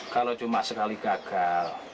kalau cuma sekali gagal